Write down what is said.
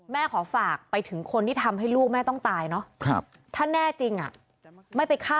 แม่ขอฝากไปถึงคนที่ทำให้ลูกแม่ต้องตายเนาะ